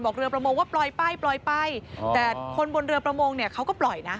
บอกเรือประมงว่าปล่อยไปแต่คนบนเรือประมงเขาก็ปล่อยนะ